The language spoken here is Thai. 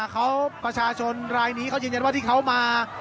เขาประชาชนรายนี้เขายืนยันว่าที่เขามา